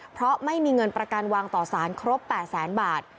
เพราะไม่มีเงินประกันวางต่อสารครบ๘แสนบาท